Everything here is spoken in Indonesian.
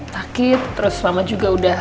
sakit terus selamat juga udah